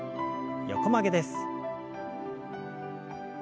横曲げです。